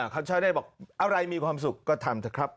คนชาวเนทบอกอะไรมีความสุขก็ทำเถอะครับ